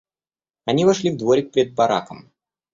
Они вошли в дворик пред бараком.